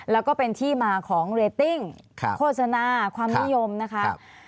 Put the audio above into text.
แล้วก็เป็นที่มาของเรตติ้งโฆษณาความนิยมนะคะ